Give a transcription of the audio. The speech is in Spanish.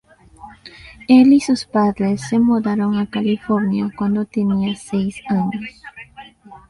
Él y sus padres se mudaron a California cuando tenía seis años.